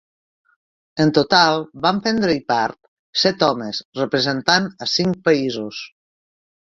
En total van prendre-hi part set homes representant a cinc països.